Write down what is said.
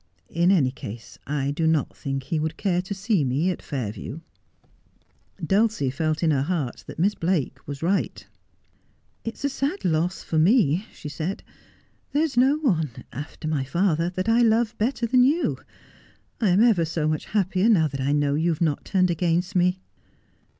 In any case I do not think he would care to see me at Fairview.' Dulcie felt in her heart that Miss Blake was right. ' It is a sad loss for me,' she said. ' There is no one — after my father— that I love better than you. I am ever so much happier now I know you have not turned against me.'